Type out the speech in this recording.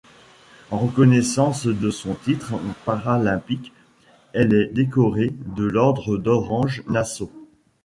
En reconnaissance de son titre paralympique, elle est décorée de l'ordre d'Orange-Nassau.